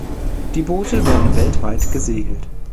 Die Boote werden weltweit gesegelt.